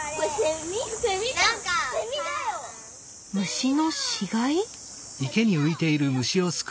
虫の死骸？